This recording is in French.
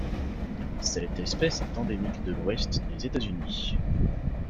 Cette espèce est endémique de l'Ouest des États-Unis.